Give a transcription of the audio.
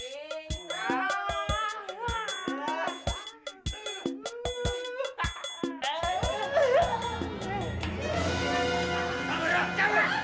satu dua tiga